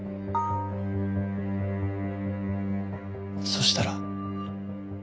そしたら。